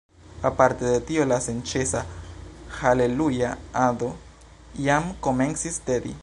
Aparte de tio la senĉesa haleluja-ado jam komencis tedi.